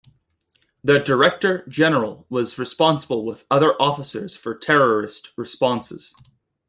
The Director General was responsible with other officers for terrorist responses.